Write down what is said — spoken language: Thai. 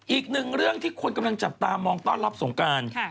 อีกหนึ่งเรื่องที่คนกำลังจับตามองต้อนรับสงการ